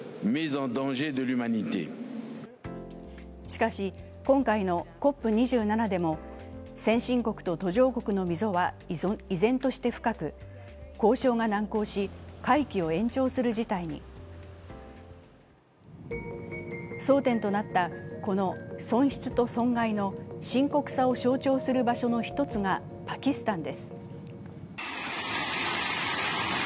しかし、今回のＣＯＰ２７でも先進国と途上国の溝は依然として深く、交渉が難航し会期を延長する事態に。争点となった、この損失と損害の深刻さを象徴する場所の１つがパキスタンです。